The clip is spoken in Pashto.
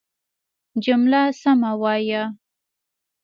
جمله سمه وايه!